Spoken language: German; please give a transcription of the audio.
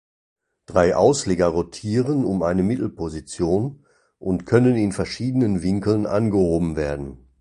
Drei Ausleger rotieren um eine Mittelposition und können in verschiedenen Winkeln angehoben werden.